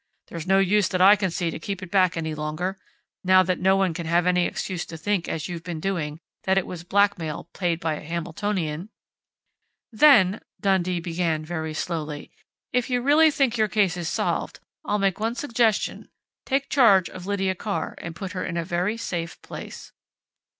There's no use that I can see to keep it back any longer, now that no one can have any excuse to think as you've been doing that it was blackmail paid by a Hamiltonian." "Then," Dundee began very slowly, "if you really think your case is solved, I'll make one suggestion: take charge of Lydia Carr and put her in a very safe place."